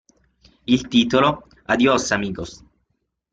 Il titolo, "¡Adios Amigos!